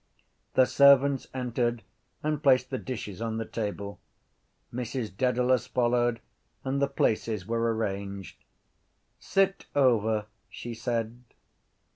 The servants entered and placed the dishes on the table. Mrs Dedalus followed and the places were arranged. —Sit over, she said.